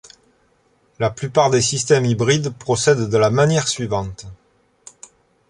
La plupart des systèmes hybrides procèdent de la manière suivante.